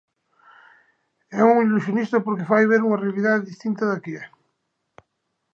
É un ilusionista porque fai ver unha realidade distinta da que é.